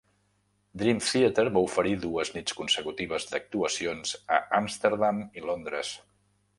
Dream Theatre va oferir dues nits consecutives d'actuacions a Amsterdam i Londres.